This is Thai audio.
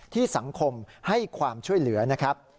สังคมให้ความช่วยเหลือนะครับ